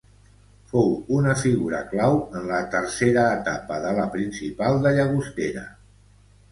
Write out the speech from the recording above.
Fou una figura clau en la tercera etapa de La Principal de Llagostera.